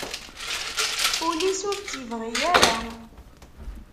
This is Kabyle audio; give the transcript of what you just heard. Ul-is ur tt-ibɣi ara.